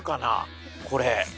これ。